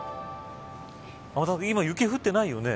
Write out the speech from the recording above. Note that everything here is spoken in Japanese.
今雪降ってないよね。